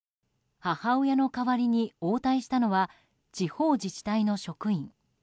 母親の代わりに応対したのは地方自治体の職員。